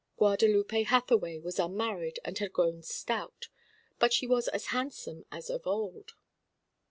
Guadalupe Hathaway was unmarried and had grown stout; but she was as handsome as of old.